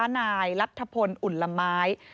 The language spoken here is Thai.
ทะหนายรัฐพนธ์อุ่นละไม้